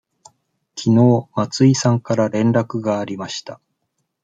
きのう松井さんから連絡がありました。